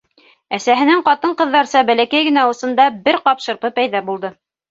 Әсәһенең ҡатын-ҡыҙҙарса бәләкәй генә усында бер ҡап шырпы пәйҙә булды.